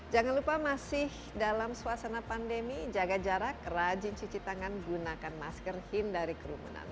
jangan lupa masih dalam suasana pandemi jaga jarak rajin cuci tangan gunakan masker hindari kerumunan